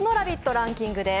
ランキングです。